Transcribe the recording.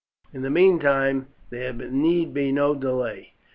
In the meantime there need be no delay.